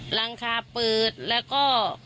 หลังคาเปิดแล้วก็